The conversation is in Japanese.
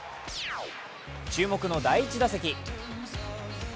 注目の第１打席。